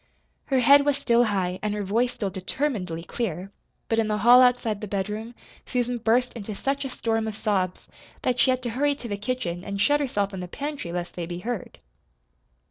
Her head was still high, and her voice still determinedly clear but in the hall outside the bedroom, Susan burst into such a storm of sobs that she had to hurry to the kitchen and shut herself in the pantry lest they be heard.